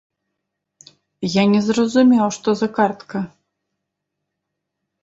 Я не зразумеў, што за картка.